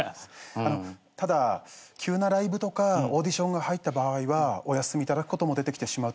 あのただ急なライブとかオーディションが入った場合はお休み頂くことも出てきてしまうと思うんですけど。